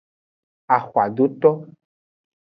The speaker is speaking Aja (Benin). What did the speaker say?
Axwadoto.